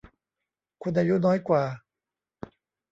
คนอายุน้อยกว่า